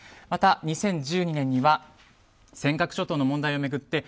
また、２０１２年には尖閣諸島の問題を巡り